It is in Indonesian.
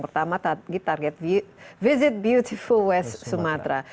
pertama target visit beautiful west sumatra